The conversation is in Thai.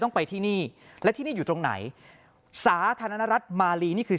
ต้องไปที่นี่และที่นี่อยู่ตรงไหนสาธารณรัฐมาลีนี่คือ